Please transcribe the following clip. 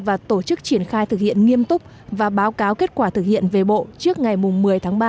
và tổ chức triển khai thực hiện nghiêm túc và báo cáo kết quả thực hiện về bộ trước ngày một mươi tháng ba năm hai nghìn một mươi tám